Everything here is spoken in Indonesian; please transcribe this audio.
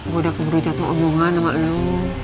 gue udah keburu jatuh hubungan sama lu